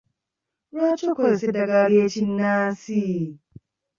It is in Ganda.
Lwaki okozesa eddagala ly'ekinnansi?